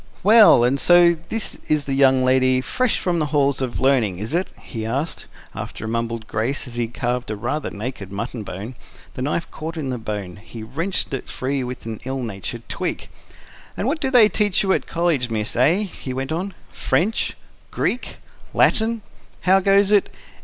"Well, and so this is the young lady fresh from the halls of learning, is it?" he asked, after a mumbled grace, as he carved a rather naked mutton bone: the knife caught in the bone; he wrenched it free with an ill natured tweak. "And what do they teach you at college, miss, eh?" he went on. "French? ... Greek? ... Latin? How goes it?